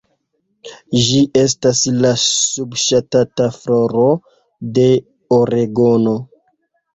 Ĝi estas la subŝtata floro de Oregono.